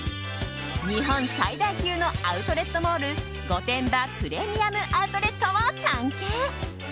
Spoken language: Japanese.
日本最大級のアウトレットモール御殿場プレミアム・アウトレットを探検。